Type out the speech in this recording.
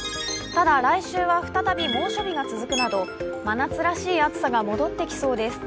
ただ来週は再び猛暑日が続くなど真夏らしい暑さが戻ってきそうです。